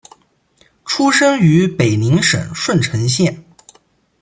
出生于北宁省顺成县。